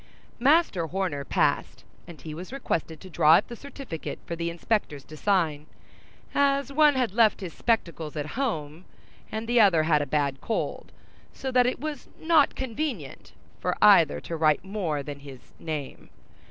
Master Horner passed, and he was requested to draw up the certificate for the inspectors to sign, as one had left his spectacles at home, and the other had a bad cold, so that it was not convenient for either to write more than his name.